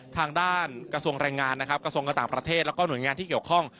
ทางด้านกระทรวงแรงงานนะครับกระทรวงการต่างประเทศแล้วก็หน่วยงานที่เกี่ยวข้อง